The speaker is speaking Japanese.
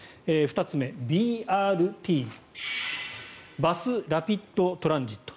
２つ目、ＢＲＴバス・ラピッド・トランジット。